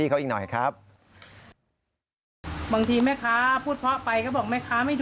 ชอบของแปลกเลยเฮ้ย